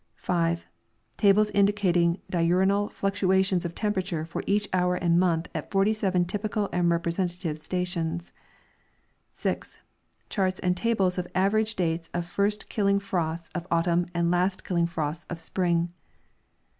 5. Tables indicating diurnal fluctuations of temperature for each hour and month at 47 typical and representative stations. 6. Charts and tables of average dates of first kilHng frosts of autumn and last killing frosts of spring.